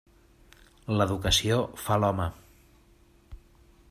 L'educació fa l'home.